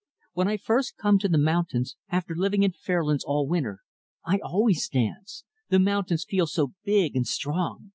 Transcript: When I first come to the mountains, after living in Fairlands all winter, I always dance the mountains feel so big and strong.